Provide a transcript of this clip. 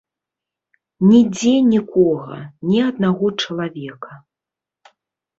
Нідзе нікога, ні аднаго чалавека.